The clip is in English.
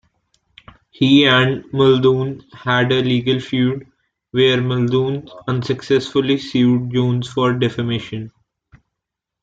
He and Muldoon had a legal feud, where Muldoon unsuccessfully sued Jones for defamation.